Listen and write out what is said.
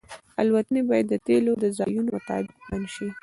الوتنې باید د تیلو د ځایونو مطابق پلان شي